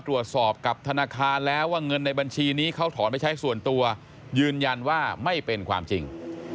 ตรวจสอบกับธนาคารแล้วว่าเงินในบัญชีนี้เขาถอนไปใช้ส่วนตัวยืนยันว่าไม่เป็นความจริง